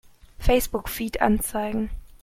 Facebook-Feed anzeigen!